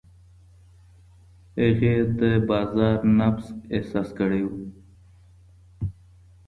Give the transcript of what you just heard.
هغې د بازار نبض احساس کړی و.